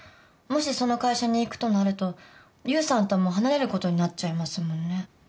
もしその会社に行くとなると優さんとも離れることになっちゃいますもんね。